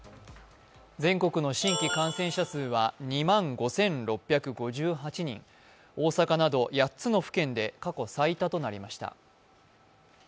全国の新規感染者数は２万５６５８人、大阪など８つの府県で過去最多となりました。